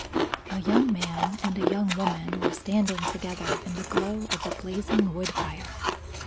A young man and a young woman were standing together in the glow of a blazing wood fire.